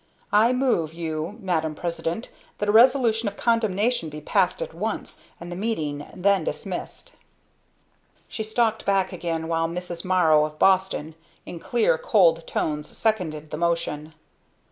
I move you, Madam President, that a resolution of condemnation be passed at once; and the meeting then dismissed!" She stalked back again, while Mrs. Marrow of Boston, in clear, cold tones seconded the motion.